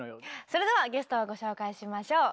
それではゲストをご紹介しましょう。